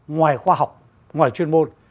ngoài khoa học ngoài chuyên môn